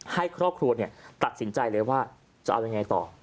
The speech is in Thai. ให้ครอบครัวตัดสินใจเลยว่าจะเอายังไงต่อ